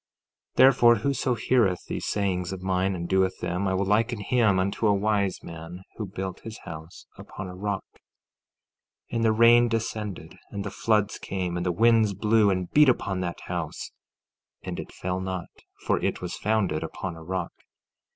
14:24 Therefore, whoso heareth these sayings of mine and doeth them, I will liken him unto a wise man, who built his house upon a rock— 14:25 And the rain descended, and the floods came, and the winds blew, and beat upon that house; and it fell not, for it was founded upon a rock.